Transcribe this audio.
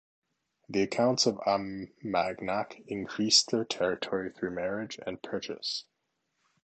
The counts of Armagnac increased their territory through marriage and purchase.